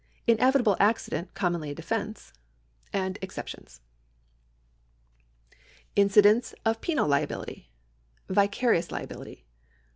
Inevitable accident commonly a defence. Exceptions. The Incidence of Penal Liability. Vicarious liability.